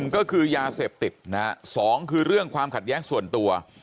๑ก็คือยาเสพติด๒คือความขัดแย้งส่วนตัว